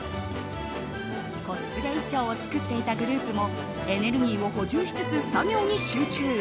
コスプレ衣装を作っていたグループもエネルギーを補充しつつ作業に集中。